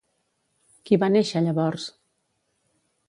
Qui va néixer llavors?